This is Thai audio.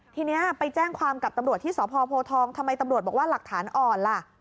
ทีนี้ไปแจ้งความกับตำรวจที่สพโพทองทำไมตำรวจบอกว่าหลักฐานอ่อนล่ะ